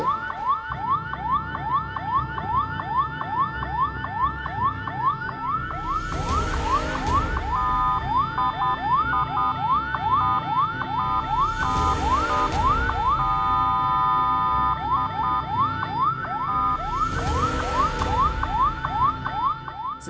pemadam kebakaran di ibu kota